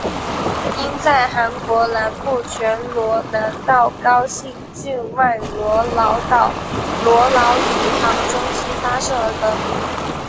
因在韩国南部全罗南道高兴郡外罗老岛罗老宇航中心发射而得名。